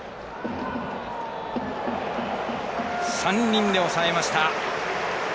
３人で抑えました。